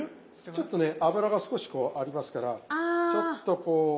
ちょっとね油が少しこうありますからちょっとこう。